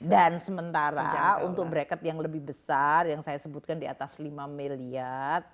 dan sementara untuk bracket yang lebih besar yang saya sebutkan di atas lima miliar